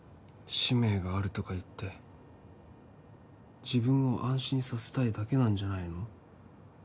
使命があるとか言って自分を安心させたいだけなんじゃないの？